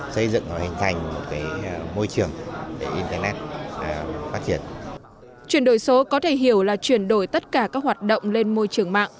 tại việt nam dự thảo đề án chuyển đổi số có thể hiểu là chuyển đổi tất cả các hoạt động lên môi trường mạng